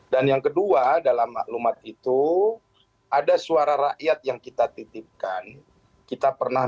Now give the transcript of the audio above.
dan yang kedua dalam maklumat itu ada suara rakyat yang kita titipkan kita pernah